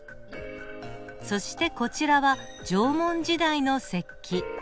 そしてこちらは縄文時代の石器。